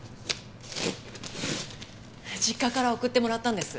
実家から送ってもらったんです。